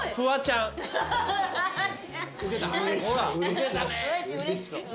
・うれしそう。